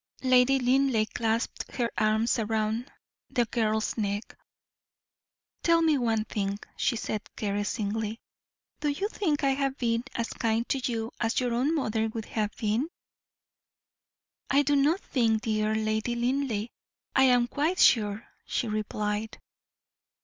Lady Linleigh clasped her arms round the girl's neck. "Tell me one thing," she said, caressingly; "do you think I have been as kind to you as your own mother would have been?" "I do not think, dear Lady Linleigh; I am quite sure," she replied.